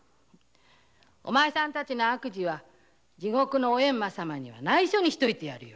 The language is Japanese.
お前さんたちの悪事は地獄のエンマ様には内緒にしといてやるよ。